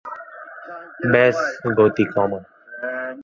ব্যস গতি কমা!